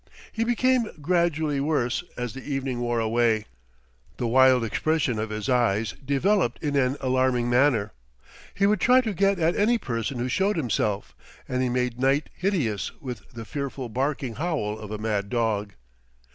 He became gradually worse as the evening wore away; the wild expression of his eyes developed in an alarming manner; he would try to get at any person who showed himself, and he made night hideous with the fearful barking howl of a mad dog.